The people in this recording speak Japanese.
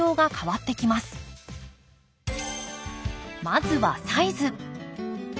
まずはサイズ。